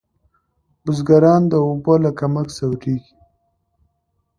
بزګران د اوبو له کمښت ځوریږي.